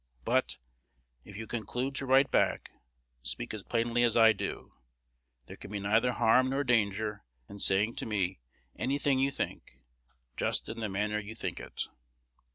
But, if you conclude to write back, speak as plainly as I do. There can be neither harm nor danger in saying to me any thing you think, just in the manner you think it.